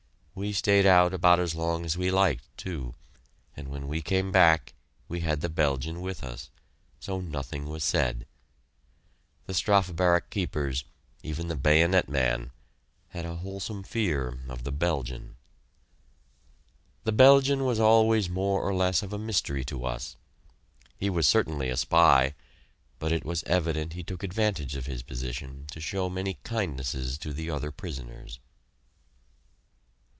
We stayed out about as long as we liked, too, and when we came back, we had the Belgian with us, so nothing was said. The strafe barrack keepers, even the bayonet man, had a wholesome fear of the Belgian. This Belgian was always more or less of a mystery to us. He was certainly a spy, but it was evident he took advantage of his position to show many kindnesses to the other prisoners.